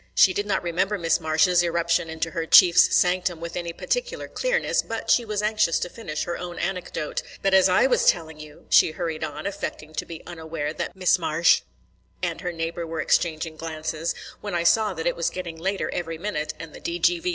She did not remember Miss Marsh's irruption into her chief's sanctum with any particular clearness, but she was anxious to finish her own anecdote. "But as I was telling you," she hurried on, affecting to be unaware that Miss Marsh and her neighbour were exchanging glances, "when I saw that it was getting later every minute, and the D.G.